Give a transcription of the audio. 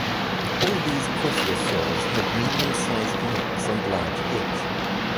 All these plesiosaurs had medium-sized necks and large heads.